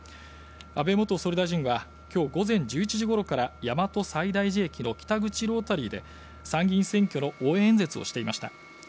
安倍元総理大臣は今日午前１１時ごろから大和西大寺駅の北口ロータリーで参議院選挙の応援演説をしていました。